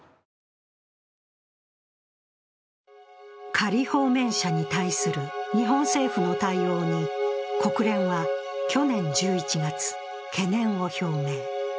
仮放免者に対する日本政府の対応に国連は去年１１月、懸念を表明。